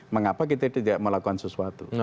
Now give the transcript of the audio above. mengapa kita tidak melakukan sesuatu